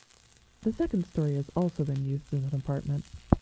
The second story has also been used as an apartment.